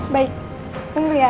baik tunggu ya